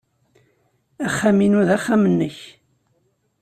Axxam-inu d axxam-nnek.